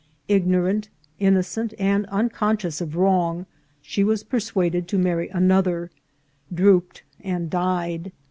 Ig norant, innocent, and unconscious of wrong, she was persuaded to marry another, drooped, and died.